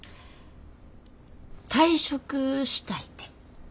退職したいて。